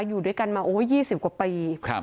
อยู่ด้วยกันมา๒๐กว่าปี